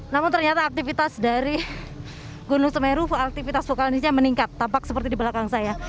namun ternyata aktivitas dari gunung semeru aktivitas vulkanisnya meningkat tampak seperti di belakang saya